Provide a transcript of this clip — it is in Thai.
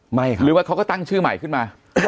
หรือว่าเขาก็ตั้งชื่อใหม่ขึ้นมา